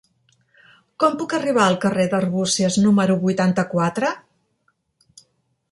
Com puc arribar al carrer d'Arbúcies número vuitanta-quatre?